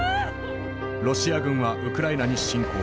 ロシア軍はウクライナに侵攻。